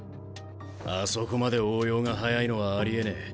あそこまで応用が早いのはありえねえ。